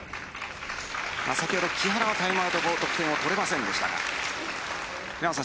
先ほど木原はタイムアウト後得点を取れませんでした。